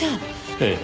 ええ。